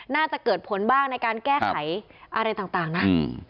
น่าจะเกิดผลบ้างในการแก้ไขอะไรต่างนะ